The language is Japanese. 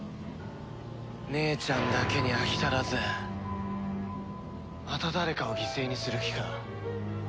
姉ちゃんだけに飽き足らずまた誰かを犠牲にする気か。